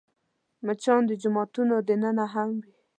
مچان د جوماتونو دننه هم وي